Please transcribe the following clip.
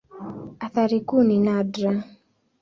Athari kuu ni nadra.